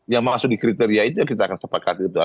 yang masuk di kriteria itu kita akan sepakati